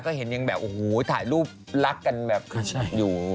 ก็เห็นยังแบบโอ้โหถ่ายรูปรักกันแบบคึกอยู่